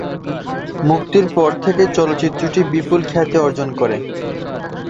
মুক্তির পর থেকেই চলচ্চিত্রটি বিপুল খ্যাতি অর্জন করে।